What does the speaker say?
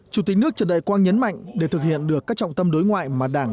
chủ tịch nước trần đại quang nhấn mạnh để thực hiện được các trọng tâm đối ngoại mà đảng